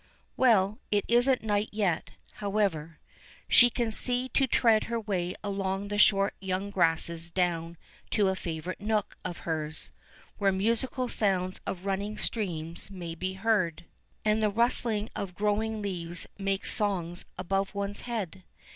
Well, it isn't night yet, however. She can see to tread her way along the short young grasses down to a favorite nook of hers, where musical sounds of running streams may be heard, and the rustling of growing leaves make songs above one's head.